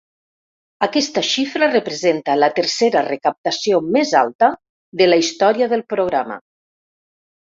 Aquesta xifra representa la tercera recaptació més alta de la història del programa.